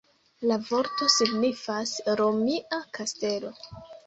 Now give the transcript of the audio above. La vorto signifas "romia kastelo".